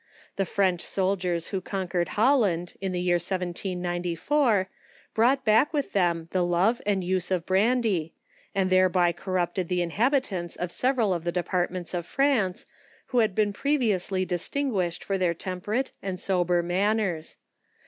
The French soldiers who ARDENT SPIRITS. 19 conquered Holland, in the year 1794, brought back with them the love and use of brandy, and thereby corrupted the inhabitants of several of the departments of France, who had been previously distinguished for their temper ate and sober manners.